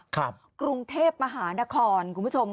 กรุงเทพมหานคร